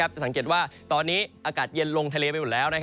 จะสังเกตว่าตอนนี้อากาศเย็นลงทะเลไปหมดแล้ว